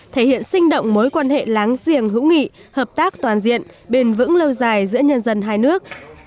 thể hiện sinh động mối quan hệ láng giềng hữu nghị hợp tác toàn diện bền vững lâu dài giữa nhân dân hai nước